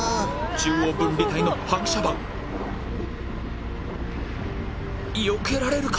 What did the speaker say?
中央分離帯の反射板よけられるか！？